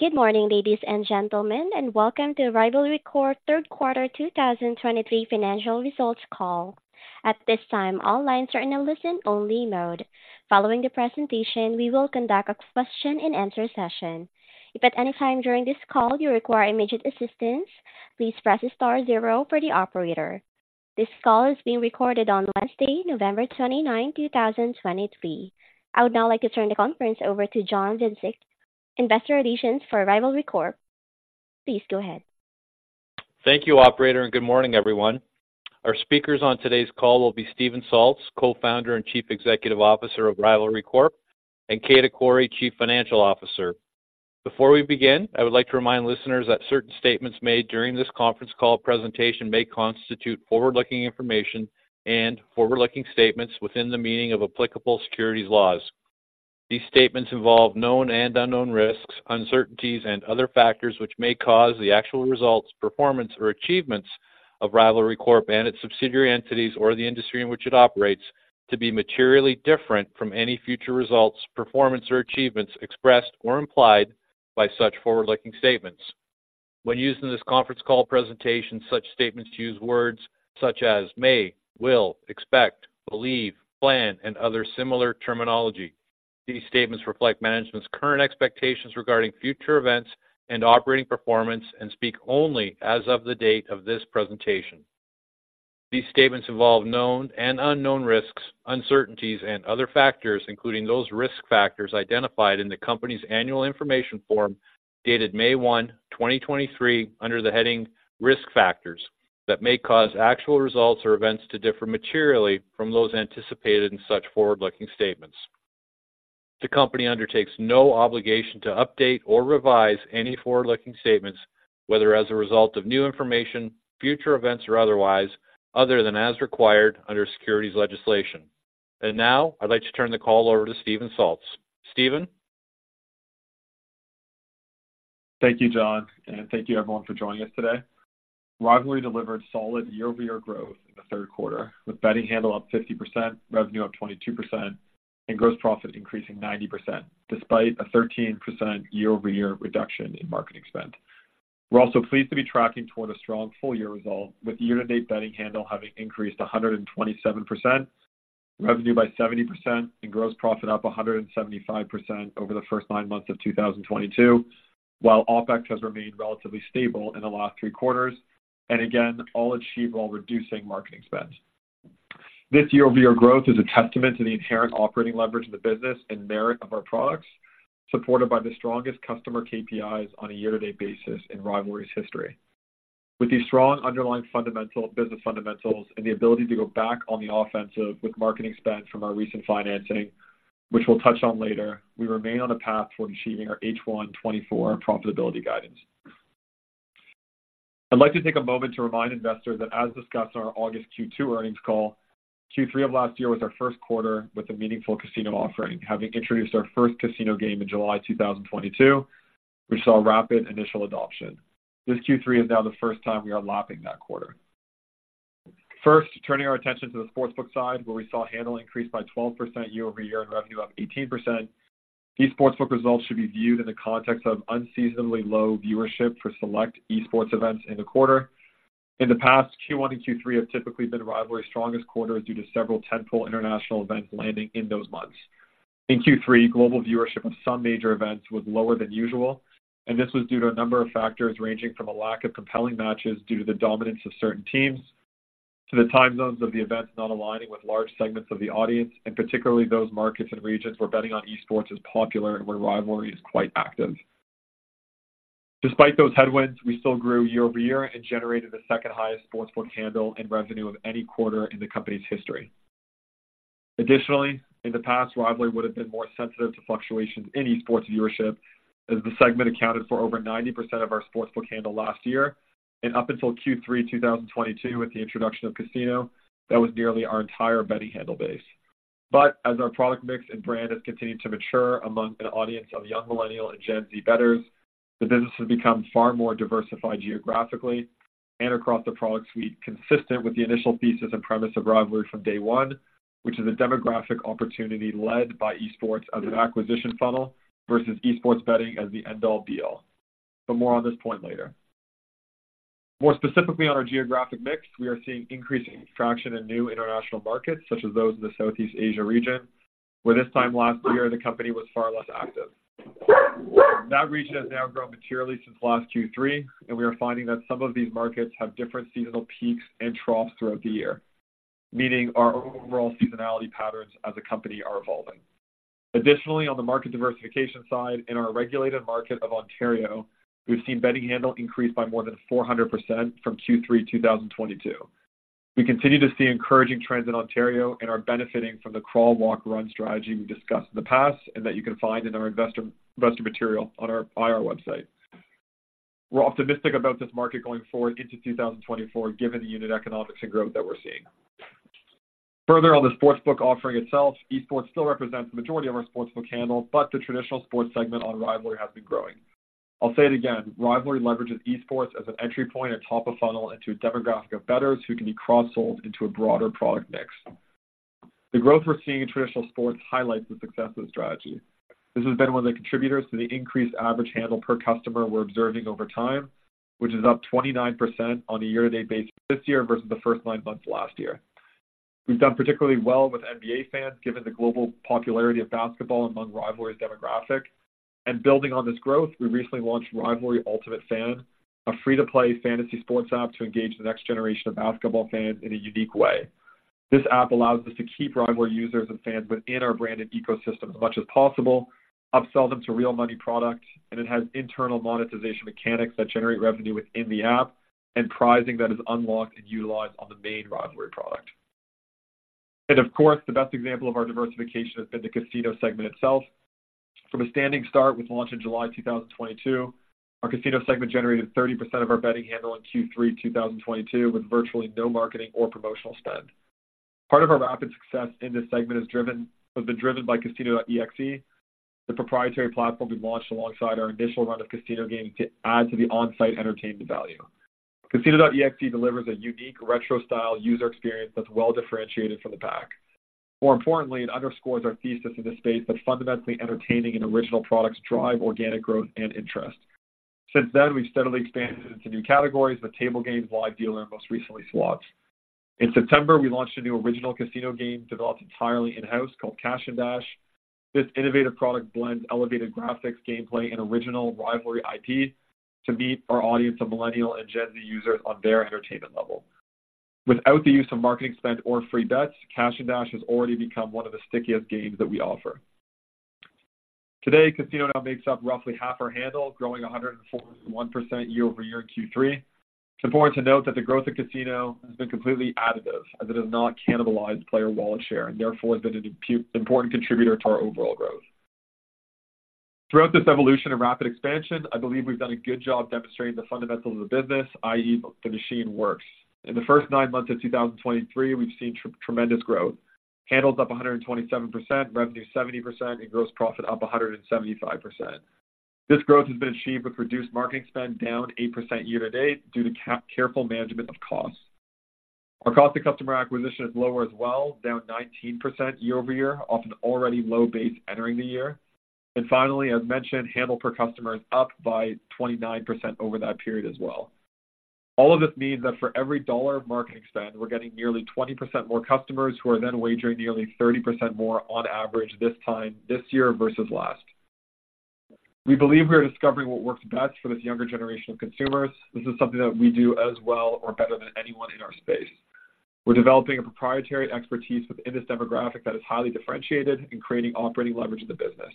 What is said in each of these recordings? Good morning, ladies and gentlemen, and welcome to Rivalry Corp Third Quarter 2023 Financial Results Call. At this time, all lines are in a listen-only mode. Following the presentation, we will conduct a question-and-answer session. If at any time during this call you require immediate assistance, please press star zero for the operator. This call is being recorded on Wednesday, November 29, 2023. I would now like to turn the conference over to John Vincic, investor relations for Rivalry Corp. Please go ahead. Thank you, operator, and good morning, everyone. Our speakers on today's call will be Steven Salz, Co-founder and Chief Executive Officer of Rivalry Corp., and Kejda Qorri, Chief Financial Officer. Before we begin, I would like to remind listeners that certain statements made during this conference call presentation may constitute forward-looking information and forward-looking statements within the meaning of applicable securities laws. These statements involve known and unknown risks, uncertainties, and other factors which may cause the actual results, performance or achievements of Rivalry Corp. and its subsidiary entities or the industry in which it operates, to be materially different from any future results, performance, or achievements expressed or implied by such forward-looking statements. When used in this conference call presentation, such statements use words such as may, will, expect, believe, plan, and other similar terminology. These statements reflect management's current expectations regarding future events and operating performance and speak only as of the date of this presentation. These statements involve known and unknown risks, uncertainties, and other factors, including those risk factors identified in the company's Annual Information Form, dated May 1, 2023, under the heading Risk Factors, that may cause actual results or events to differ materially from those anticipated in such forward-looking statements. The company undertakes no obligation to update or revise any forward-looking statements, whether as a result of new information, future events or otherwise, other than as required under securities legislation. And now, I'd like to turn the call over to Steven Salz. Steven? Thank you, John, and thank you everyone for joining us today. Rivalry delivered solid year-over-year growth in the third quarter, with betting handle up 50%, revenue up 22% and gross profit increasing 90%, despite a 13% year-over-year reduction in marketing spend. We're also pleased to be tracking toward a strong full-year result, with year-to-date betting handle having increased 127%, revenue by 70% and gross profit up 175% over the first nine months of 2022, while OpEx has remained relatively stable in the last three quarters, and again, all achieved while reducing marketing spend. This year-over-year growth is a testament to the inherent operating leverage of the business and merit of our products, supported by the strongest customer KPIs on a year-to-date basis in Rivalry's history. With these strong underlying fundamental, business fundamentals and the ability to go back on the offensive with marketing spend from our recent financing, which we'll touch on later, we remain on a path toward achieving our H1 2024 profitability guidance. I'd like to take a moment to remind investors that as discussed on our August Q2 Earnings Call, Q3 of last year was our first quarter with a meaningful casino offering. Having introduced our first casino game in July 2022, we saw rapid initial adoption. This Q3 is now the first time we are lapping that quarter. First, turning our attention to the sportsbook side, where we saw handle increase by 12% year-over-year and revenue up 18%. esports book results should be viewed in the context of unseasonably low viewership for select esports events in the quarter. In the past, Q1 and Q3 have typically been Rivalry's strongest quarters due to several tenfold international events landing in those months. In Q3, global viewership of some major events was lower than usual, and this was due to a number of factors, ranging from a lack of compelling matches due to the dominance of certain teams, to the time zones of the events not aligning with large segments of the audience, and particularly those markets and regions where betting on esports is popular and where Rivalry is quite active. Despite those headwinds, we still grew year-over-year and generated the second-highest sportsbook handle and revenue of any quarter in the company's history. Additionally, in the past, Rivalry would have been more sensitive to fluctuations in esports viewership, as the segment accounted for over 90% of our sportsbook handle last year, and up until Q3 2022, with the introduction of casino, that was nearly our entire betting handle base. But as our product mix and brand has continued to mature among an audience of young Millennial and Gen Z bettors, the business has become far more diversified geographically and across the product suite, consistent with the initial thesis and premise of Rivalry from day one, which is a demographic opportunity led by esports as an acquisition funnel versus esports betting as the end-all be-all. But more on this point later. More specifically, on our geographic mix, we are seeing increasing traction in new international markets such as those in the Southeast Asia region, where this time last year the company was far less active. That region has now grown materially since last Q3, and we are finding that some of these markets have different seasonal peaks and troughs throughout the year, meaning our overall seasonality patterns as a company are evolving. Additionally, on the market diversification side, in our regulated market of Ontario, we've seen betting handle increase by more than 400% from Q3 2022. We continue to see encouraging trends in Ontario and are benefiting from the crawl, walk, run strategy we discussed in the past and that you can find in our investor material on our IR website. We're optimistic about this market going forward into 2024, given the unit economics and growth that we're seeing. Further, on the sportsbook offering itself, esports still represents the majority of our sportsbook handle, but the traditional sports segment on Rivalry has been growing. I'll say it again, Rivalry leverages esports as an entry point and top of funnel into a demographic of bettors who can be cross-sold into a broader product mix. The growth we're seeing in traditional sports highlights the success of the strategy. This has been one of the contributors to the increased average handle per customer we're observing over time, which is up 29% on a year-to-date basis this year versus the first nine months last year. We've done particularly well with NBA fans, given the global popularity of basketball among Rivalry's demographic. Building on this growth, we recently launched Rivalry Ultimate Fan, a free-to-play fantasy sports app to engage the next generation of basketball fans in a unique way. This app allows us to keep Rivalry users and fans within our branded ecosystem as much as possible, upsell them to real money products, and it has internal monetization mechanics that generate revenue within the app and prizing that is unlocked and utilized on the main Rivalry product. And of course, the best example of our diversification has been the casino segment itself. From a standing start with launch in July 2022, our casino segment generated 30% of our betting handle in Q3 2022, with virtually no marketing or promotional spend. Part of our rapid success in this segment has been driven by Casino.exe, the proprietary platform we launched alongside our initial round of casino games to add to the on-site entertainment value. Casino.exe delivers a unique retro style user experience that's well-differentiated from the pack. More importantly, it underscores our thesis in this space that fundamentally entertaining and original products drive organic growth and interest. Since then, we've steadily expanded into new categories: the table games, live dealer, and most recently, slots. In September, we launched a new original casino game developed entirely in-house called Cash & Dash. This innovative product blends elevated graphics, gameplay, and original Rivalry IP to meet our audience of Millennial and Gen Z users on their entertainment level. Without the use of marketing spend or free bets, Cash & Dash has already become one of the stickiest games that we offer. Today, Casino now makes up roughly half our handle, growing 141% year-over-year in Q3. It's important to note that the growth of Casino has been completely additive, as it has not cannibalized player wallet share, and therefore has been an important contributor to our overall growth. Throughout this evolution of rapid expansion, I believe we've done a good job demonstrating the fundamentals of the business, i.e., the machine works. In the first nine months of 2023, we've seen tremendous growth. Handle's up 127%, revenue 70%, and gross profit up 175%. This growth has been achieved with reduced marketing spend down 8% year-to-date due to careful management of costs. Our cost to customer acquisition is lower as well, down 19% year-over-year, off an already low base entering the year. Finally, as mentioned, handle per customer is up by 29% over that period as well. All of this means that for every dollar of marketing spend, we're getting nearly 20% more customers, who are then wagering nearly 30% more on average this time this year versus last. We believe we are discovering what works best for this younger generation of consumers. This is something that we do as well or better than anyone in our space. We're developing a proprietary expertise within this demographic that is highly differentiated and creating operating leverage in the business,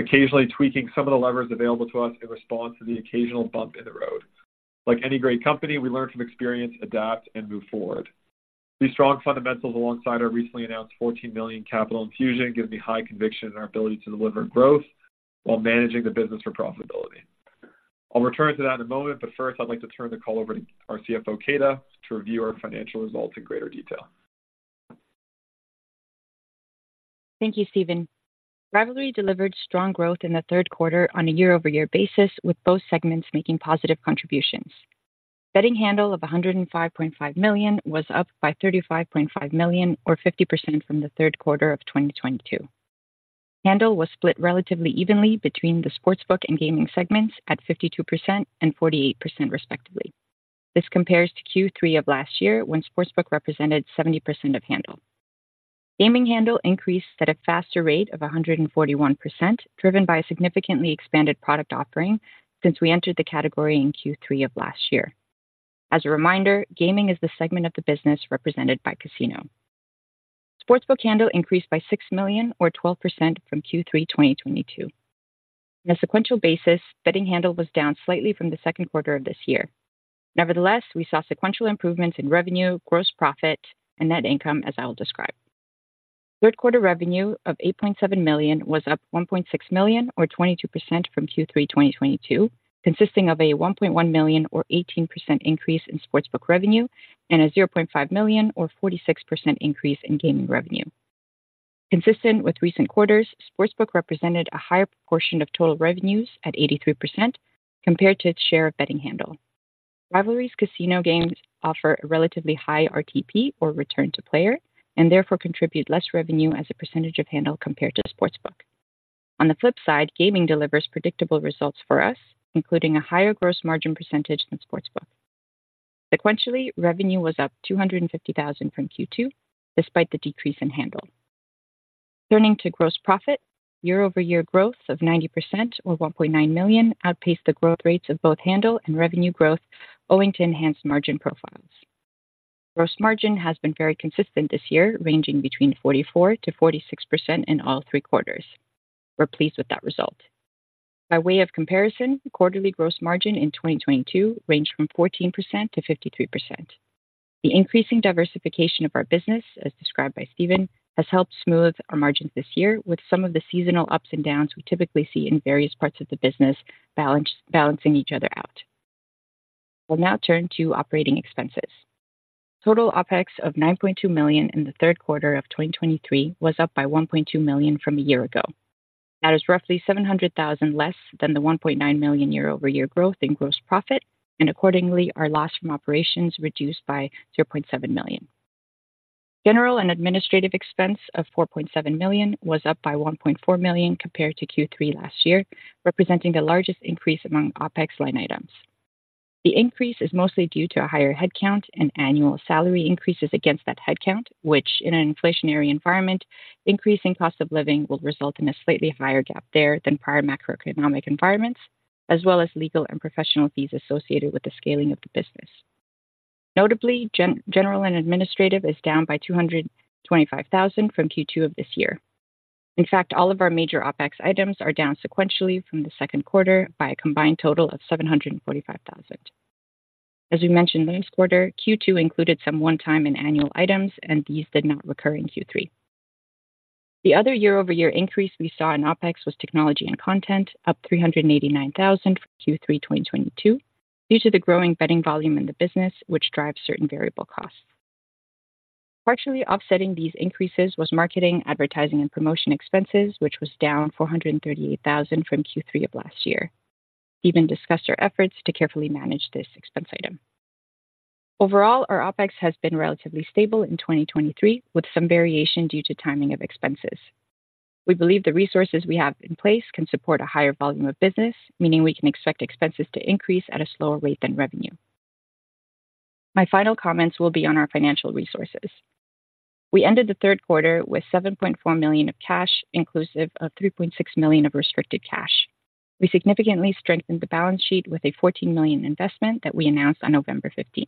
occasionally tweaking some of the levers available to us in response to the occasional bump in the road. Like any great company, we learn from experience, adapt, and move forward. These strong fundamentals, alongside our recently announced 14 million capital infusion, give me high conviction in our ability to deliver growth while managing the business for profitability. I'll return to that in a moment, but first, I'd like to turn the call over to our CFO, Kejda, to review our financial results in greater detail. Thank you, Steven. Rivalry delivered strong growth in the third quarter on a year-over-year basis, with both segments making positive contributions. Betting handle of 105.5 million was up by 35.5 million, or 50% from the third quarter of 2022. Handle was split relatively evenly between the sportsbook and gaming segments at 52% and 48%, respectively. This compares to Q3 of last year, when sportsbook represented 70% of handle. Gaming handle increased at a faster rate of 141%, driven by a significantly expanded product offering since we entered the category in Q3 of last year. As a reminder, gaming is the segment of the business represented by Casino. Sportsbook handle increased by 6 million, or 12% from Q3 2022. On a sequential basis, betting handle was down slightly from the second quarter of this year. Nevertheless, we saw sequential improvements in revenue, gross profit, and net income, as I will describe. Third quarter revenue of 8.7 million was up 1.6 million, or 22% from Q3 2022, consisting of a 1.1 million, or 18% increase in sportsbook revenue, and a 0.5 million, or 46% increase in gaming revenue. Consistent with recent quarters, sportsbook represented a higher proportion of total revenues at 83% compared to its share of betting handle. Rivalry's casino games offer a relatively high RTP, or return to player, and therefore contribute less revenue as a percentage of handle compared to the sportsbook. On the flip side, gaming delivers predictable results for us, including a higher gross margin percentage than sportsbook. Sequentially, revenue was up 250,000 from Q2, despite the decrease in handle. Turning to gross profit, year-over-year growth of 90% or 1.9 million outpaced the growth rates of both handle and revenue growth, owing to enhanced margin profiles. Gross margin has been very consistent this year, ranging between 44%-46% in all three quarters. We're pleased with that result. By way of comparison, quarterly gross margin in 2022 ranged from 14%-53%. The increasing diversification of our business, as described by Steven, has helped smooth our margins this year, with some of the seasonal ups and downs we typically see in various parts of the business balancing each other out. We'll now turn to operating expenses. Total OpEx of 9.2 million in the third quarter of 2023 was up by 1.2 million from a year ago. That is roughly 700,000 less than the 1.9 million year-over-year growth in gross profit, and accordingly, our loss from operations reduced by 0.7 million. General and administrative expense of 4.7 million was up by 1.4 million compared to Q3 last year, representing the largest increase among OpEx line items. The increase is mostly due to a higher headcount and annual salary increases against that headcount, which in an inflationary environment, increasing cost of living will result in a slightly higher gap there than prior macroeconomic environments, as well as legal and professional fees associated with the scaling of the business. Notably, general and administrative is down by 225,000 from Q2 of this year. In fact, all of our major OpEx items are down sequentially from the second quarter by a combined total of 745,000. As we mentioned last quarter, Q2 included some one-time and annual items, and these did not recur in Q3. The other year-over-year increase we saw in OpEx was technology and content, up 389,000 for Q3 2022, due to the growing betting volume in the business, which drives certain variable costs. Partially offsetting these increases was marketing, advertising, and promotion expenses, which was down 438,000 from Q3 of last year. We've discussed our efforts to carefully manage this expense item. Overall, our OpEx has been relatively stable in 2023, with some variation due to timing of expenses. We believe the resources we have in place can support a higher volume of business, meaning we can expect expenses to increase at a slower rate than revenue. My final comments will be on our financial resources. We ended the third quarter with 7.4 million of cash, inclusive of 3.6 million of restricted cash. We significantly strengthened the balance sheet with a 14 million investment that we announced on November 15th.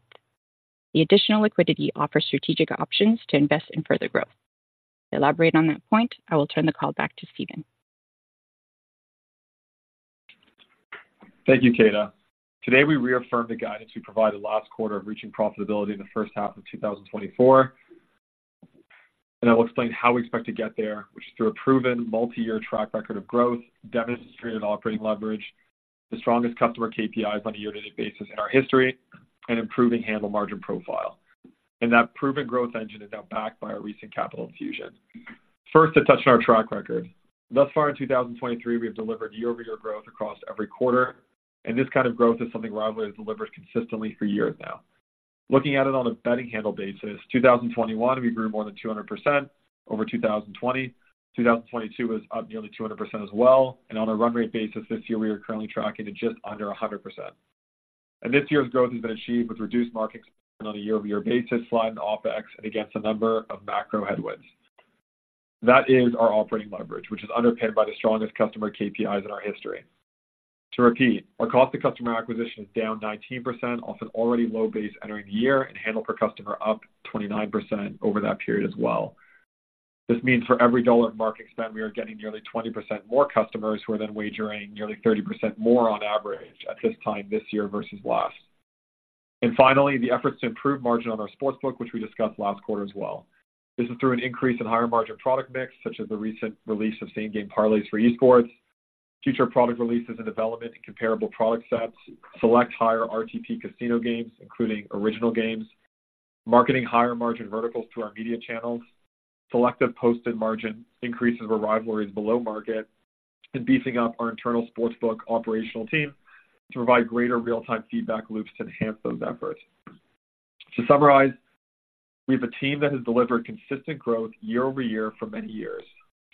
The additional liquidity offers strategic options to invest in further growth. To elaborate on that point, I will turn the call back to Steven. Thank you, Kejda. Today, we reaffirm the guidance we provided last quarter of reaching profitability in the first half of 2024. I will explain how we expect to get there, which is through a proven multi-year track record of growth, demonstrated operating leverage, the strongest customer KPIs on a year-to-date basis in our history, and improving handle margin profile. That proven growth engine is now backed by our recent capital infusion. First, to touch on our track record. Thus far, in 2023, we have delivered year-over-year growth across every quarter, and this kind of growth is something Rivalry has delivered consistently for years now. Looking at it on a betting handle basis, 2021, we grew more than 200% over 2020. 2022 was up nearly 200% as well, and on a run rate basis this year, we are currently tracking to just under 100%. This year's growth has been achieved with reduced marketing spend on a year-over-year basis, slide in OpEx, and against a number of macro headwinds. That is our operating leverage, which is underpinned by the strongest customer KPIs in our history. To repeat, our cost to customer acquisition is down 19% off an already low base entering the year, and handle per customer up 29% over that period as well. This means for every dollar of marketing spend, we are getting nearly 20% more customers, who are then wagering nearly 30% more on average at this time this year versus last. Finally, the efforts to improve margin on our sportsbook, which we discussed last quarter as well. This is through an increase in higher-margin product mix, such as the recent release of same-game parlays for esports, future product releases and development in comparable product sets, select higher RTP casino games, including original games, marketing higher-margin verticals through our media channels, selective posted margin increases where Rivalry is below market, and beefing up our internal sportsbook operational team to provide greater real-time feedback loops to enhance those efforts. To summarize, we have a team that has delivered consistent growth year-over-year for many years.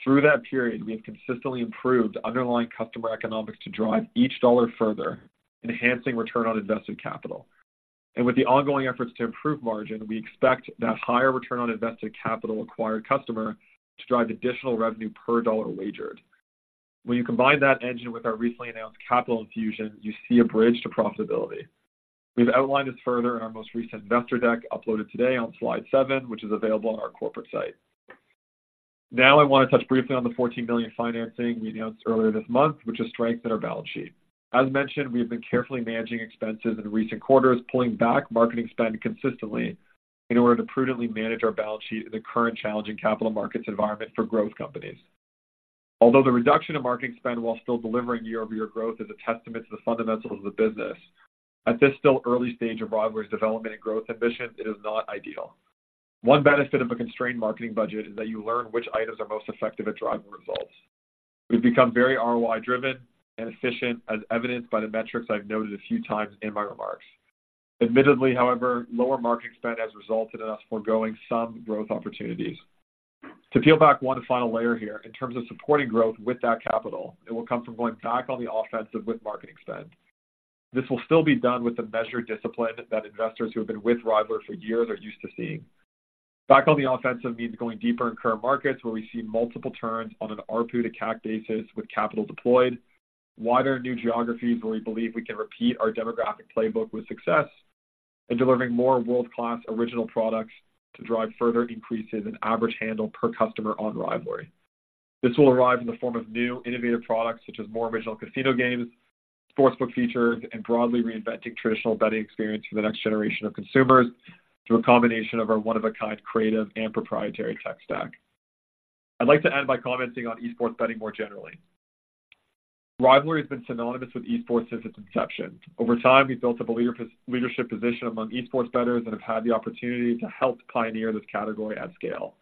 Through that period, we have consistently improved underlying customer economics to drive each dollar further, enhancing return on invested capital. With the ongoing efforts to improve margin, we expect that higher return on invested capital acquired customer to drive additional revenue per dollar wagered. When you combine that engine with our recently announced capital infusion, you see a bridge to profitability. We've outlined this further in our most recent investor deck, uploaded today on slide seven, which is available on our corporate site. Now, I want to touch briefly on the 14 million financing we announced earlier this month, which has strengthened our balance sheet. As mentioned, we have been carefully managing expenses in recent quarters, pulling back marketing spend consistently in order to prudently manage our balance sheet in the current challenging capital markets environment for growth companies. Although the reduction in marketing spend, while still delivering year-over-year growth, is a testament to the fundamentals of the business, at this still early stage of Rivalry's development and growth ambitions, it is not ideal. One benefit of a constrained marketing budget is that you learn which items are most effective at driving results. We've become very ROI-driven and efficient, as evidenced by the metrics I've noted a few times in my remarks. Admittedly, however, lower marketing spend has resulted in us foregoing some growth opportunities. To peel back one final layer here, in terms of supporting growth with that capital, it will come from going back on the offensive with marketing spend. This will still be done with the measured discipline that investors who have been with Rivalry for years are used to seeing. Back on the offensive means going deeper in current markets where we see multiple turns on an ARPU to CAC basis with capital deployed, wider new geographies where we believe we can repeat our demographic playbook with success, and delivering more world-class original products to drive further increases in average handle per customer on Rivalry. This will arrive in the form of new innovative products, such as more original casino games, sportsbook features, and broadly reinventing traditional betting experience for the next generation of consumers through a combination of our one-of-a-kind creative and proprietary tech stack. I'd like to end by commenting on esports betting more generally. Rivalry has been synonymous with esports since its inception. Over time, we've built up a leadership position among esports bettors and have had the opportunity to help pioneer this category at scale.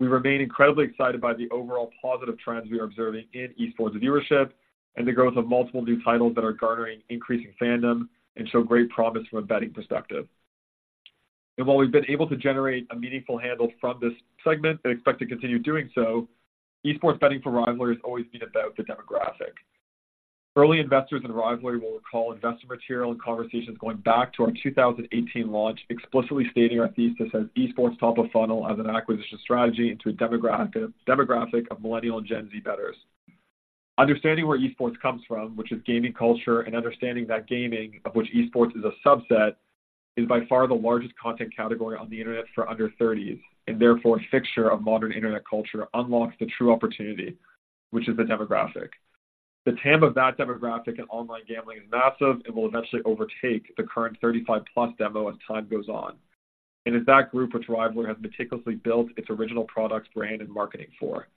We remain incredibly excited by the overall positive trends we are observing in esports viewership and the growth of multiple new titles that are garnering increasing fandom and show great promise from a betting perspective. And while we've been able to generate a meaningful handle from this segment and expect to continue doing so, esports betting for Rivalry has always been about the demographic. Early investors in Rivalry will recall investor material and conversations going back to our 2018 launch, explicitly stating our thesis as esports top of funnel as an acquisition strategy into a demographic of Millennial and Gen Z bettors. Understanding where esports comes from, which is gaming culture, and understanding that gaming, of which esports is a subset, is by far the largest content category on the internet for under 30s age, and therefore a fixture of modern internet culture unlocks the true opportunity, which is the demographic. The TAM of that demographic in online gambling is massive and will eventually overtake the current 35+ age demo as time goes on, and it's that group, which Rivalry has meticulously built its original products, brand, and marketing for.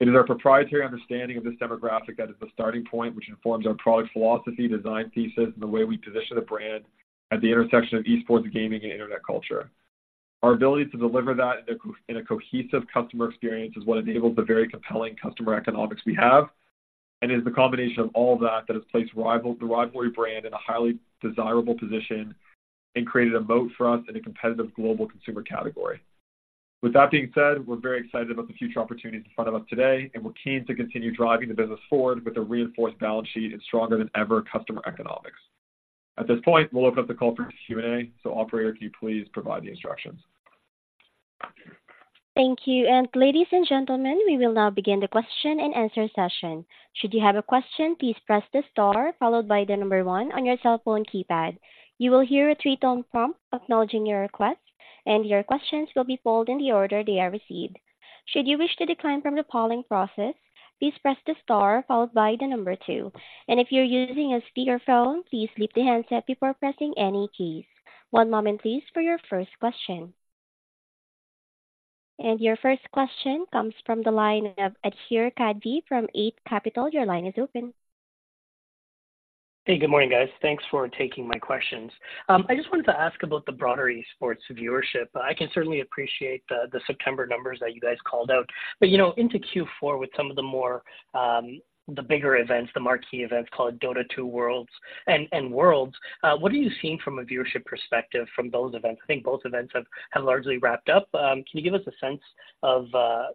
It is our proprietary understanding of this demographic that is the starting point, which informs our product philosophy, design thesis, and the way we position the brand at the intersection of esports, gaming, and internet culture. Our ability to deliver that in a cohesive customer experience is what enables the very compelling customer economics we have, and is the combination of all that that has placed the Rivalry brand in a highly desirable position and created a moat for us in a competitive global consumer category. With that being said, we're very excited about the future opportunities in front of us today, and we're keen to continue driving the business forward with a reinforced balance sheet and stronger than ever customer economics. At this point, we'll open up the call for Q&A. So operator, can you please provide the instructions? Thank you. Ladies and gentlemen, we will now begin the question and answer session. Should you have a question, please press the star followed by the number one on your cellphone keypad. You will hear a three-tone prompt acknowledging your request, and your questions will be pulled in the order they are received. Should you wish to decline from the polling process, please press the star followed by the number two, and if you're using a speakerphone, please leave the handset before pressing any keys. One moment, please, for your first question. Your first question comes from the line of Adhir Kadve from Eight Capital. Your line is open. Hey, good morning, guys. Thanks for taking my questions. I just wanted to ask about the broader esports viewership. I can certainly appreciate the September numbers that you guys called out, but, you know, into Q4, with some of the more, the bigger events, the marquee events called Dota 2 Worlds and Worlds, what are you seeing from a viewership perspective from those events? I think both events have largely wrapped up. Can you give us a sense of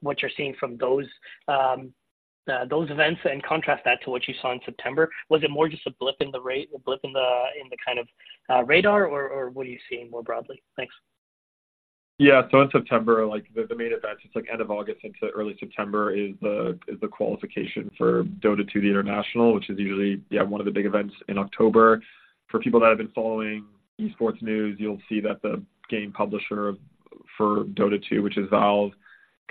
what you're seeing from those events and contrast that to what you saw in September? Was it more just a blip in the rate, a blip in the kind of radar, or what are you seeing more broadly? Thanks. Yeah. So in September, like, the main events, it's like end of August into early September, is the qualification for Dota 2, The International, which is usually, yeah, one of the big events in October. For people that have been following esports news, you'll see that the game publisher for Dota 2, which is Valve,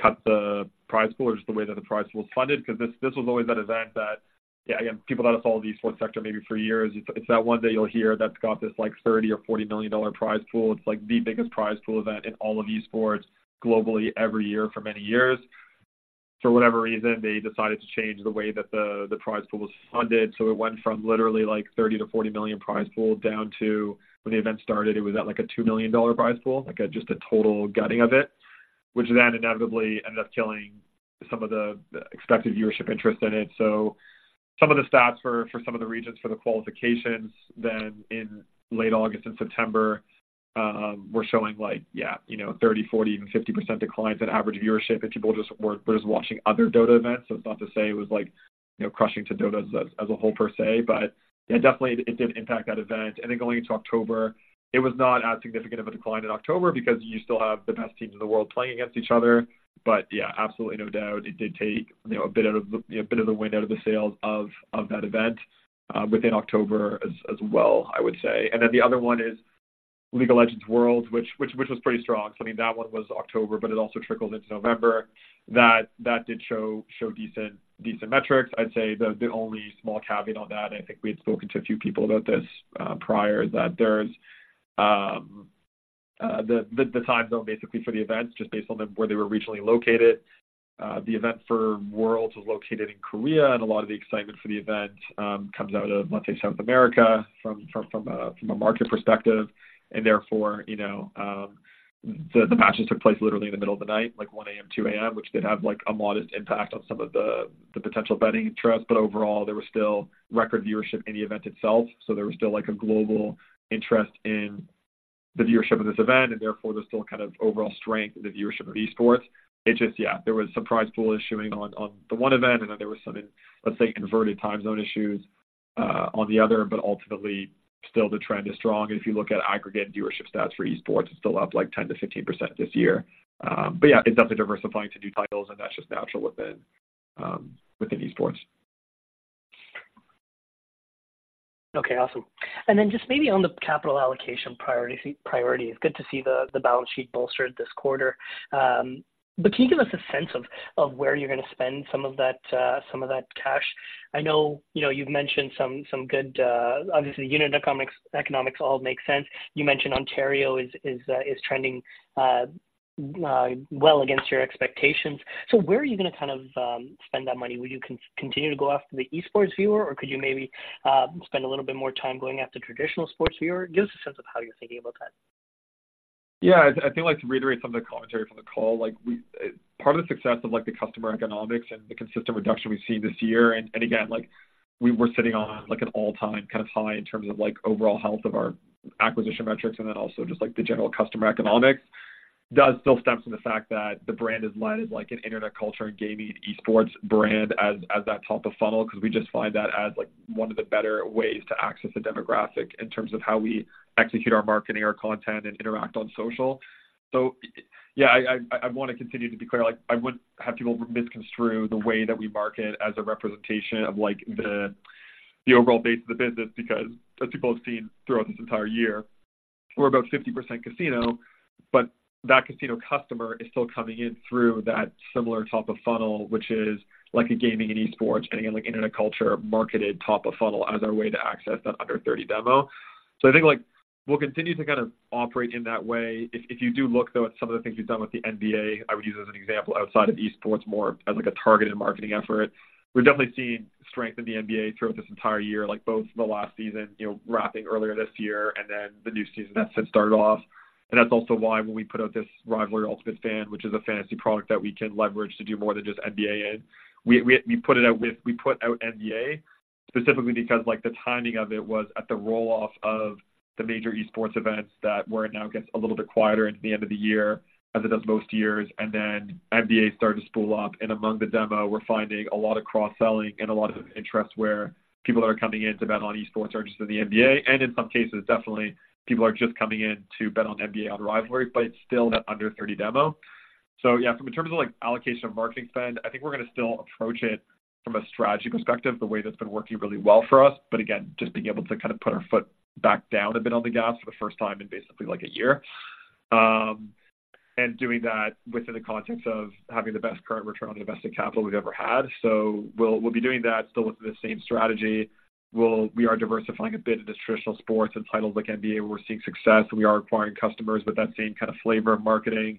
cut the prize pool or just the way that the prize pool is funded, because this was always that event that, yeah, again, people that have followed the esports sector maybe for years, it's that one that you'll hear that's got this, like, $30 million-$40 million prize pool. It's like the biggest prize pool event in all of esports globally every year for many years. For whatever reason, they decided to change the way that the prize pool was funded. So it went from literally like $30 million-$40 million prize pool down to when the event started, it was at, like, a $2 million prize pool, like just a total gutting of it, which then inevitably ended up killing some of the expected viewership interest in it. So some of the stats for some of the regions for the qualifications then in late August and September were showing like, yeah, you know, 30%, 40%, even 50% declines in average viewership, and people just were watching other Dota events. So it's not to say it was like, you know, crushing to Dota as a whole per se, but yeah, definitely it did impact that event. And then going into October, it was not as significant of a decline in October because you still have the best teams in the world playing against each other. But yeah, absolutely, no doubt it did take, you know, a bit out of the, a bit of the wind out of the sails of, of that event within October as well, I would say. And then the other one is League of Legends Worlds, which was pretty strong. So I mean, that one was October, but it also trickled into November. That did show decent metrics. I'd say the only small caveat on that, I think we had spoken to a few people about this prior, that there's the time zone basically for the events, just based on where they were originally located. The event for Worlds was located in Korea, and a lot of the excitement for the event comes out of, let's say, South America from a market perspective, and therefore, you know, the matches took place literally in the middle of the night, like 1 A.M., 2 A.M., which did have, like, a modest impact on some of the potential betting interest. But overall, there was still record viewership in the event itself, so there was still, like, a global interest in the viewership of this event, and therefore there's still kind of overall strength in the viewership of esports. It just. Yeah, there was some prize pool issuing on the one event, and then there was some in, let's say, inverted time zone issues on the other. Ultimately, still the trend is strong, and if you look at aggregate viewership stats for esports, it's still up like 10%-15% this year. Yeah, it's definitely diversifying to new titles, and that's just natural within esports. Okay, awesome. And then just maybe on the capital allocation priority, it's good to see the balance sheet bolstered this quarter. But can you give us a sense of where you're gonna spend some of that cash? I know, you know, you've mentioned some good, obviously unit economics all makes sense. You mentioned Ontario is trending well against your expectations. So where are you gonna kind of spend that money? Will you continue to go after the esports viewer, or could you maybe spend a little bit more time going after traditional sports viewer? Give us a sense of how you're thinking about that. Yeah, I think like to reiterate some of the commentary from the call, like we part of the success of, like, the customer economics and the consistent reduction we've seen this year, and again, like, we were sitting on, like, an all-time kind of high in terms of, like, overall health of our acquisition metrics and then also just like the general customer economics does still stem from the fact that the brand is led as, like, an internet culture and gaming esports brand as that top of funnel. Because we just find that as, like, one of the better ways to access a demographic in terms of how we execute our marketing, our content, and interact on social. So yeah, I wanna continue to be clear. Like, I wouldn't have people misconstrue the way that we market as a representation of, like, the overall base of the business, because as people have seen throughout this entire year, we're about 50% casino, but that casino customer is still coming in through that similar top of funnel, which is like a gaming and esports, and again, like internet culture, marketed top of funnel as our way to access that under 30 demo. So I think, like, we'll continue to kind of operate in that way. If you do look, though, at some of the things we've done with the NBA, I would use as an example, outside of esports, more as like a targeted marketing effort. We've definitely seen strength in the NBA throughout this entire year, like both the last season, you know, wrapping earlier this year and then the new season that since started off. And that's also why when we put out this Rivalry Ultimate Fan, which is a fantasy product that we can leverage to do more than just NBA in, we put it out with NBA specifically because, like, the timing of it was at the roll-off of the major esports events that where it now gets a little bit quieter into the end of the year, as it does most years, and then NBA started to spool up. Among the demo, we're finding a lot of cross-selling and a lot of interest where people that are coming in to bet on esports are just in the NBA, and in some cases, definitely people are just coming in to bet on NBA, on Rivalry, but it's still that under 30 demo. Yeah, from in terms of like allocation of marketing spend, I think we're gonna still approach it from a strategy perspective, the way that's been working really well for us. Again, just being able to kind of put our foot back down a bit on the gas for the first time in basically like a year. Doing that within the context of having the best current return on invested capital we've ever had. We'll, we'll be doing that still with the same strategy. We are diversifying a bit into traditional sports and titles like NBA, where we're seeing success, and we are acquiring customers with that same kind of flavor of marketing.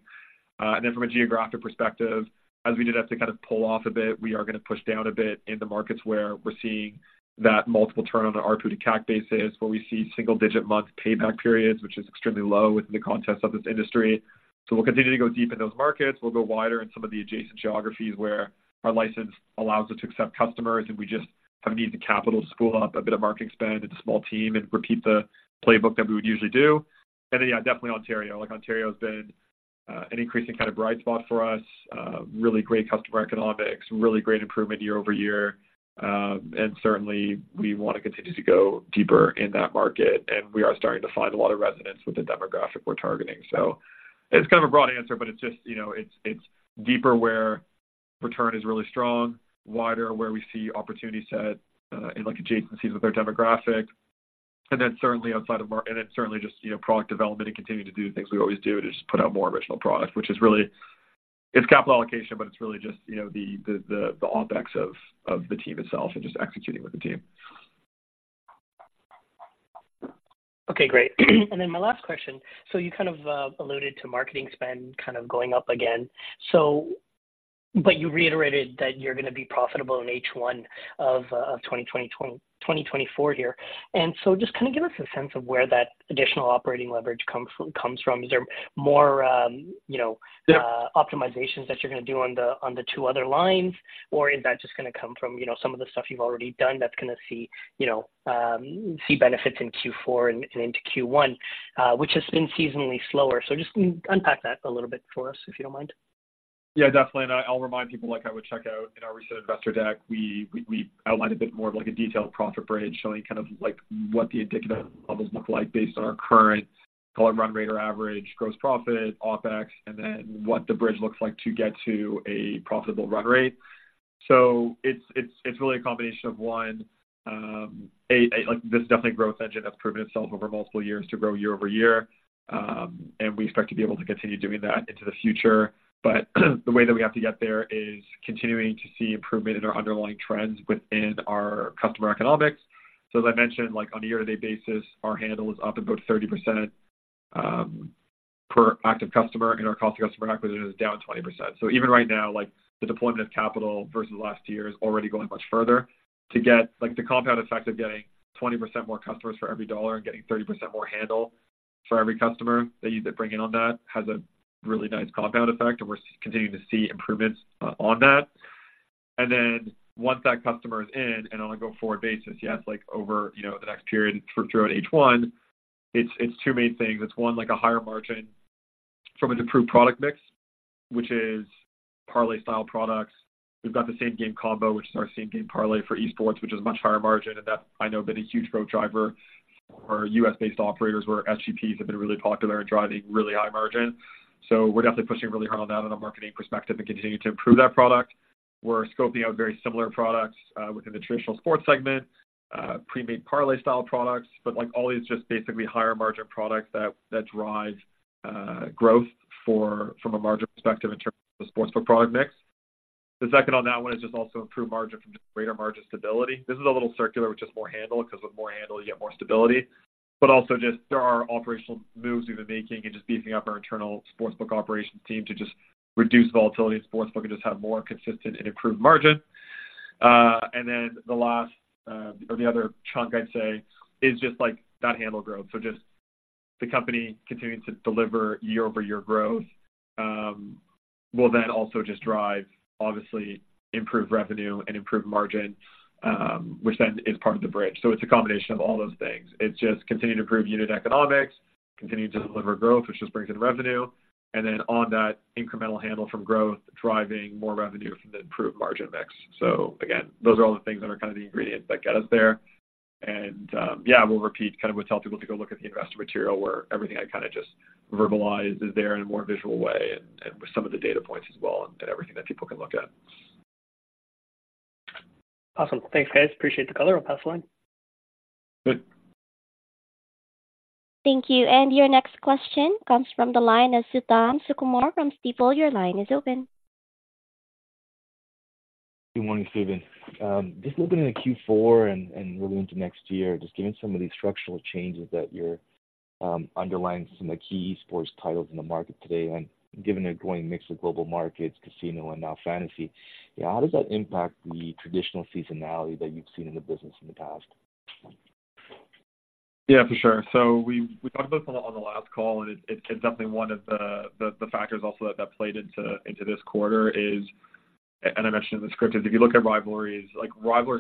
And then from a geographic perspective, as we did have to kind of pull off a bit, we are gonna push down a bit in the markets where we're seeing that multiple turn on an ARPU to CAC basis, where we see single-digit month payback periods, which is extremely low within the context of this industry. So we'll continue to go deep in those markets. We'll go wider in some of the adjacent geographies where our license allows us to accept customers, and we just kind of need the capital to spool up a bit of marketing spend and a small team and repeat the playbook that we would usually do. And then, yeah, definitely Ontario. Like Ontario has been an increasing kind of bright spot for us. Really great customer economics, really great improvement year-over-year. And certainly we want to continue to go deeper in that market, and we are starting to find a lot of resonance with the demographic we're targeting. So it's kind of a broad answer, but it's just, you know, it's deeper where return is really strong, wider where we see opportunity set in like adjacencies with our demographic, and then certainly outside of market, and then certainly just, you know, product development and continuing to do the things we always do to just put out more original product, which is really... It's capital allocation, but it's really just, you know, the OpEx of the team itself and just executing with the team. Okay, great. And then my last question. So you kind of alluded to marketing spend kind of going up again. But you reiterated that you're gonna be profitable in H1 of 2024 here. And so just kind of give us a sense of where that additional operating leverage comes from, comes from. Is there more, you know, Yeah optimizations that you're gonna do on the two other lines? Or is that just gonna come from, you know, some of the stuff you've already done that's gonna see, you know, see benefits in Q4 and into Q1, which has been seasonally slower? So just unpack that a little bit for us, if you don't mind. Yeah, definitely. And I'll remind people, like I would check out in our recent investor deck, we outlined a bit more of like a detailed profit bridge, showing kind of like what the indicative levels look like based on our current call it run rate or average, gross profit, OpEx, and then what the bridge looks like to get to a profitable run rate. So it's really a combination of one, a, like, this definitely growth engine that's proven itself over multiple years to grow year over year. And we expect to be able to continue doing that into the future. But the way that we have to get there is continuing to see improvement in our underlying trends within our customer economics. So as I mentioned, like on a year-to-date basis, our handle is up about 30%, per active customer, and our cost to customer acquisition is down 20%. So even right now, like, the deployment of capital versus last year is already going much further. To get, like, the compound effect of getting 20% more customers for every dollar and getting 30% more handle for every customer that you bring in on that, has a really nice compound effect, and we're continuing to see improvements on that. And then once that customer is in and on a go-forward basis, yes, like over, you know, the next period throughout H1, it's two main things. It's one, like a higher margin from an improved product mix, which is parlay-style products. We've got the same game combo, which is our same game parlay for esports, which is much higher margin, and that I know, been a huge growth driver for U.S.-based operators, where SGPs have been really popular in driving really high margin. So we're definitely pushing really hard on that on a marketing perspective and continue to improve that product. We're scoping out very similar products within the traditional sports segment, pre-made parlay style products, but like always, just basically higher margin products that, that drive growth from a margin perspective in terms of the sportsbook product mix. The second on that one is just also improved margin from just greater margin stability. This is a little circular, with just more handle, cause with more handle, you get more stability. But also just there are operational moves we've been making and just beefing up our internal sportsbook operations team to just reduce volatility in sportsbook and just have more consistent and improved margin. And then the last, or the other chunk, I'd say, is just like that handle growth. So just the company continuing to deliver year-over-year growth, will then also just drive, obviously, improved revenue and improved margin, which then is part of the bridge. So it's a combination of all those things. It's just continuing to improve unit economics, continuing to deliver growth, which just brings in revenue, and then on that incremental handle from growth, driving more revenue from the improved margin mix. So again, those are all the things that are kind of the ingredients that get us there. Yeah, we'll repeat, kind of would tell people to go look at the investor material where everything I kind of just verbalized is there in a more visual way, and with some of the data points as well, and everything that people can look at. Awesome. Thanks, guys. Appreciate the color. I'll pass the line. Good. Thank you. And your next question comes from the line of Suthan Sukumar from Stifel. Your line is open. Good morning, Steven. Just looking at Q4 and really into next year, just given some of these structural changes that you're underlying some of the key esports titles in the market today, and given a growing mix of global markets, casino, and now fantasy, yeah, how does that impact the traditional seasonality that you've seen in the business in the past? Yeah, for sure. So we talked about this on the last call, and it's definitely one of the factors also that played into this quarter. And I mentioned in the script, if you look at Rivalry's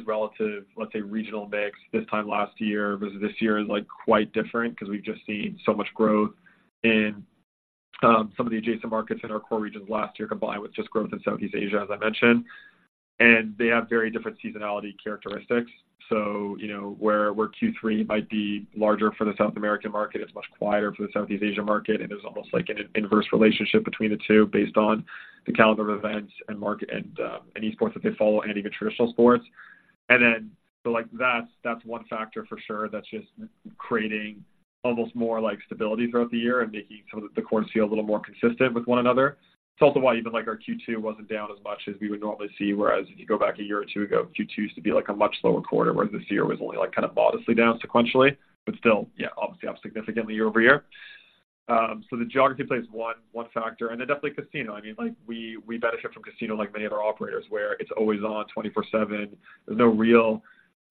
relative, let's say, regional mix this time last year versus this year is quite different because we've just seen so much growth in some of the adjacent markets in our core regions last year, combined with just growth in Southeast Asia, as I mentioned. And they have very different seasonality characteristics. So you know, where Q3 might be larger for the South American market, it's much quieter for the Southeast Asian market, and there's almost like an inverse relationship between the two based on the caliber of events and market and any esports that they follow and even traditional sports. And then, so, like, that's, that's one factor for sure, that's just creating almost more like stability throughout the year and making some of the quarters feel a little more consistent with one another. It's also why even like our Q2 wasn't down as much as we would normally see, whereas if you go back a year or two ago, Q2 used to be like a much lower quarter, whereas this year was only, like, kind of modestly down sequentially, but still, yeah, obviously up significantly year-over-year. So the geography plays one factor, and then definitely casino. I mean, like, we benefit from casino like many other operators, where it's always on 24/7. There's no real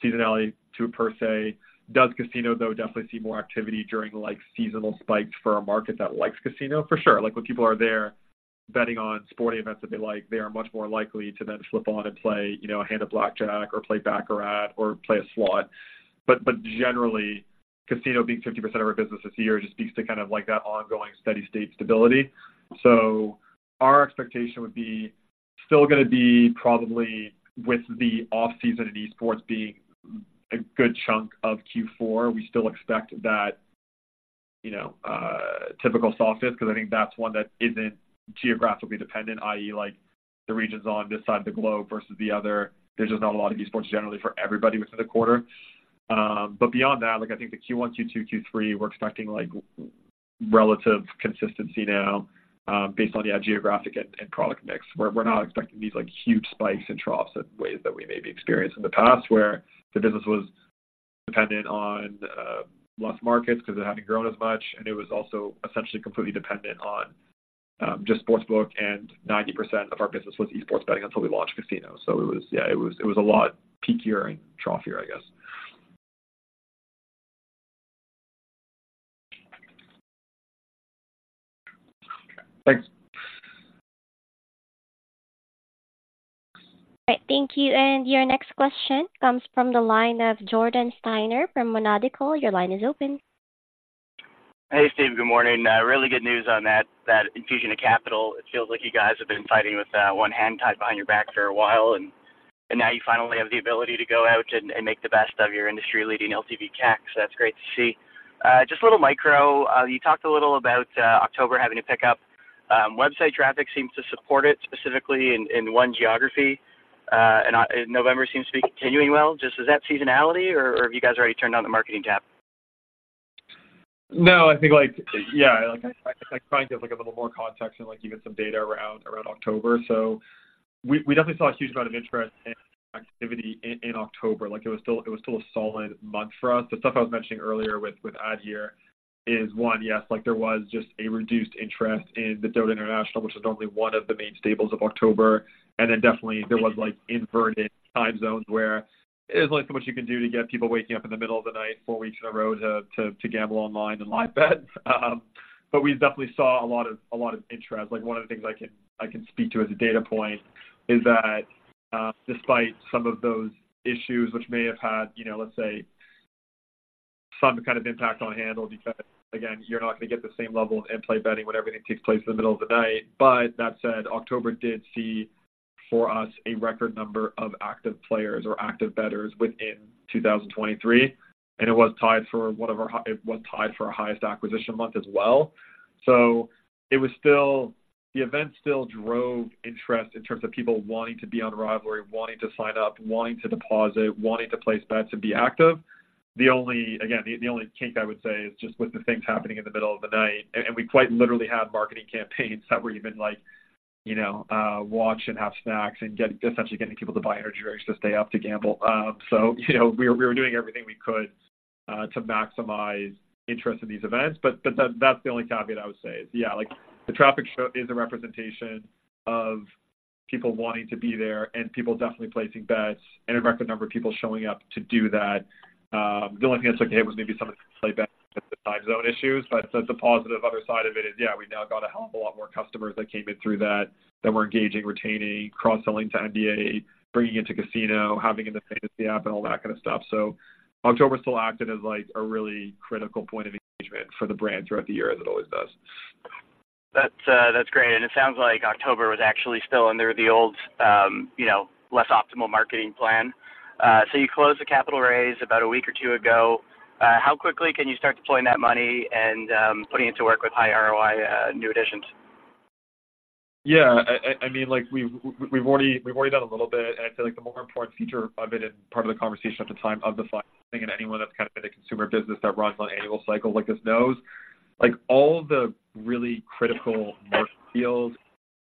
seasonality to it per say. Does casino, though, definitely see more activity during, like, seasonal spikes for a market that likes casino? For sure. Like, when people are there betting on sporting events that they like, they are much more likely to then flip on and play, you know, a hand of blackjack or play baccarat or play a slot. But generally, casino being 50% of our business this year just speaks to kind of like that ongoing steady-state stability. So our expectation would be still gonna be probably with the off-season in esports being a good chunk of Q4. We still expect that, you know, typical soft finish, because I think that's one that isn't geographically dependent, i.e., like the regions on this side of the globe versus the other. There's just not a lot of esports generally for everybody within the quarter. But beyond that, like, I think the Q1, Q2, Q3, we're expecting, like, relative consistency now, based on the geographic and product mix, where we're not expecting these, like, huge spikes and troughs in ways that we maybe experienced in the past, where the business was dependent on less markets because it hadn't grown as much, and it was also essentially completely dependent on just sports book, and 90% of our business was esports betting until we launched casino. So it was. Yeah, it was a lot peakier and Troughier, I guess. Thanks. Thank you. And your next question comes from the line of Jordan Steiner from Monadical. Your line is open. Hey, Steve. Good morning. Really good news on that infusion of capital. It feels like you guys have been fighting with one hand tied behind your back for a while, and now you finally have the ability to go out and make the best of your industry-leading LTV CACs. So that's great to see. Just a little micro. You talked a little about October having to pick up. Website traffic seems to support it, specifically in one geography, and November seems to be continuing well. Just, is that seasonality or have you guys already turned on the marketing tap? No, I think like, yeah, like, I kind of give like a little more context and like even some data around October. So we definitely saw a huge amount of interest and activity in October. Like, it was still a solid month for us. The stuff I was mentioning earlier with adhere is one, yes, like there was just a reduced interest in the Dota International, which is normally one of the main staples of October. And then definitely there was like inverted time zones where there's only so much you can do to get people waking up in the middle of the night, four weeks in a row, to gamble online and live bet. But we definitely saw a lot of interest. Like, one of the things I can, I can speak to as a data point is that, despite some of those issues which may have had, you know, let's say, some kind of impact on handle, because, again, you're not going to get the same level of in-play betting when everything takes place in the middle of the night. But that said, October did see for us a record number of active players or active bettors within 2023, and it was tied for one of our high, it was tied for our highest acquisition month as well. So it was still. The event still drove interest in terms of people wanting to be on Rivalry, wanting to sign up, wanting to deposit, wanting to place bets and be active. The only, again, the only kink I would say is just with the things happening in the middle of the night. And, and we quite literally had marketing campaigns that were even like, you know, watch and have snacks and get- essentially getting people to buy energy drinks to stay up to gamble. So, you know, we were, we were doing everything we could. to maximize interest in these events. But, but that, that's the only caveat I would say is, yeah, like, the traffic show is a representation of people wanting to be there and people definitely placing bets and a record number of people showing up to do that. The only thing that's okay was maybe some of the playbacks, the time zone issues, but the positive other side of it is, yeah, we've now got a hell of a lot more customers that came in through that, that we're engaging, retaining, cross-selling to NBA, bringing into casino, having in the fantasy app and all that kind of stuff. So October still acted as, like, a really critical point of engagement for the brand throughout the year, as it always does. That's great, and it sounds like October was actually still under the old, you know, less optimal marketing plan. So you closed the capital raise about a week or two ago. How quickly can you start deploying that money and putting it to work with high ROI new additions? Yeah, I mean, like, we've already done a little bit, and I'd say, like, the more important feature of it and part of the conversation at the time of the filing, and anyone that's kind of in the consumer business that runs on annual cycle like us knows, like, all the really critical market deals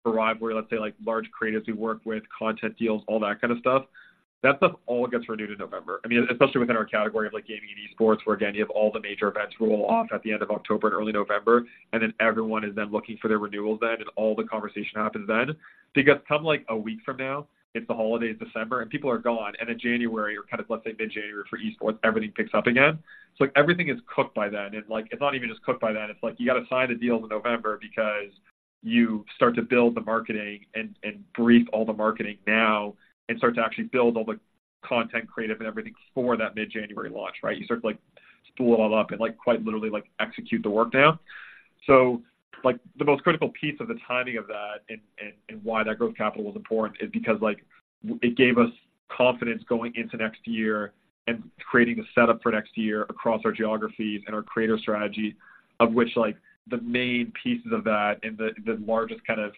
arrive where, let's say, like, large creatives we work with, content deals, all that kind of stuff. That stuff all gets renewed in November. I mean, especially within our category of, like, gaming and esports, where again, you have all the major events roll off at the end of October and early November, and then everyone is then looking for their renewals then, and all the conversation happens then. Because come, like, a week from now, it's the holiday in December and people are gone, and in January or kind of, let's say, mid-January for esports, everything picks up again. So everything is cooked by then. It's like, it's not even just cooked by then, it's like you got to sign the deals in November because you start to build the marketing and brief all the marketing now and start to actually build all the content, creative, and everything for that mid-January launch, right? You start to, like, spool it all up and, like, quite literally, like, execute the work now. So, like, the most critical piece of the timing of that and why that growth capital was important is because, like, it gave us confidence going into next year and creating the setup for next year across our geographies and our creator strategy, of which, like, the main pieces of that and the largest kind of,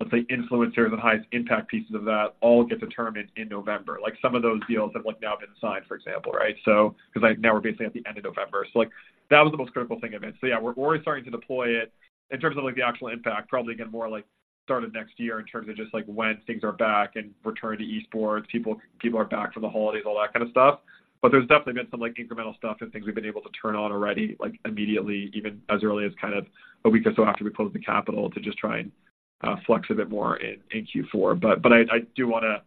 let's say, influencers and highest impact pieces of that all get determined in November. Like, some of those deals have, like, now been signed, for example, right? So, because, like, now we're basically at the end of November. So, like, that was the most critical thing of it. So yeah, we're already starting to deploy it. In terms of, like, the actual impact, probably get more, like, started next year in terms of just, like, when things are back and return to esports, people are back from the holidays, all that kind of stuff. But there's definitely been some, like, incremental stuff and things we've been able to turn on already, like, immediately, even as early as kind of a week or so after we closed the capital to just try and flex a bit more in Q4. But I do wanna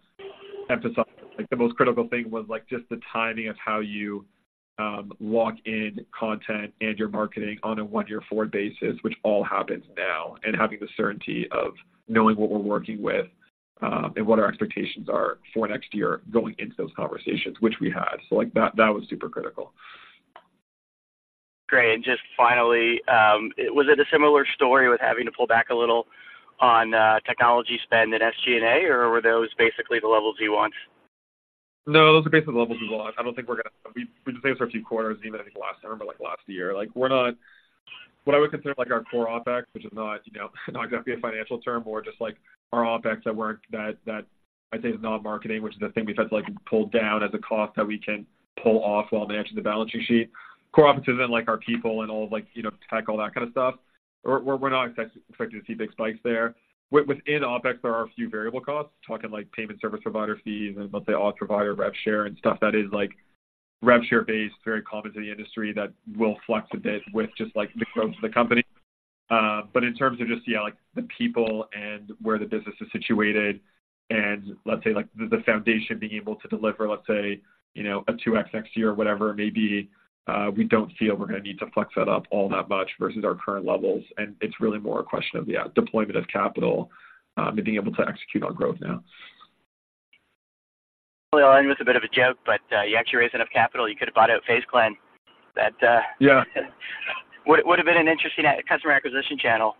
emphasize, like, the most critical thing was, like, just the timing of how you lock in content and your marketing on a one-year forward basis, which all happens now, and having the certainty of knowing what we're working with and what our expectations are for next year going into those conversations, which we had. Like, that was super critical. Great. And just finally, was it a similar story with having to pull back a little on technology spend and SG&A, or were those basically the levels you want? No, those are basically the levels we want. I don't think we're gonna. We've the same for a few quarters, even I think last November, like last year. Like, we're not what I would consider, like, our core OpEx, which is not, you know, not going to be a financial term, more just like our OpEx at work, that, that I'd say is non-marketing, which is the thing we tried to, like, pull down as a cost that we can pull off while managing the balance sheet. Core OpEx isn't like our people and all of, like, you know, tech, all that kind of stuff. We're, we're not expecting to see big spikes there. Within OpEx, there are a few variable costs. Talking like payment service provider fees and let's say, odds provider, rev share and stuff that is like rev share based, very common to the industry, that will flex a bit with just, like, the growth of the company. But in terms of just, yeah, like, the people and where the business is situated, and let's say, like, the, the foundation being able to deliver, let's say, you know, a 2x next year or whatever it may be, we don't feel we're gonna need to flex that up all that much versus our current levels, and it's really more a question of the deployment of capital, and being able to execute on growth now. Well, I'll end with a bit of a joke, but, you actually raised enough capital, you could have bought out FaZe Clan. That, Yeah. Would have been an interesting customer acquisition channel.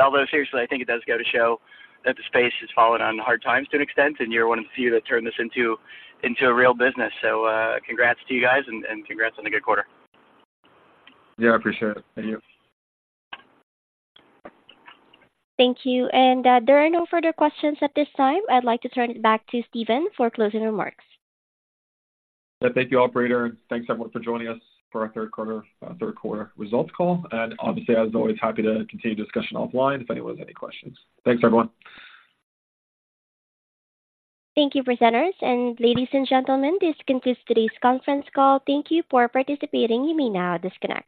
Although seriously, I think it does go to show that the space has fallen on hard times to an extent, and you're one of the few that turned this into a real business. So, congrats to you guys, and congrats on a good quarter. Yeah, I appreciate it. Thank you. Thank you. There are no further questions at this time. I'd like to turn it back to Steven for closing remarks. Yeah. Thank you, operator. Thanks, everyone, for joining us for our third quarter results call. And obviously, as always, happy to continue the discussion offline if anyone has any questions. Thanks, everyone. Thank you, presenters. Ladies and gentlemen, this concludes today's conference call. Thank you for participating. You may now disconnect.